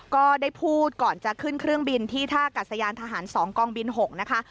ก็ได้พูดก่อนจะขึ้นเครื่องบินที่ท่ากัศยานทหาร๒กองบิน๖นะคะ